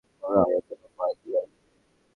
ওরা আরো পোলাপান নিয়ে আসবে।